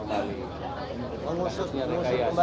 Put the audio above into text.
harus berhubung dengan kuala lumpur